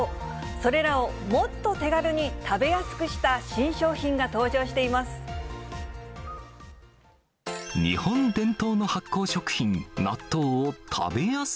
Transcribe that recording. それらをもっと手軽に食べやすくした新商品が登場しています。